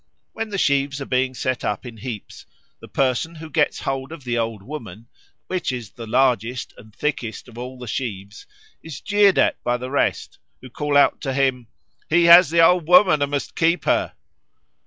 When the sheaves are being set up in heaps, the person who gets hold of the Old Woman, which is the largest and thickest of all the sheaves, is jeered at by the rest, who call out to him, "He has the Old Woman and must keep her."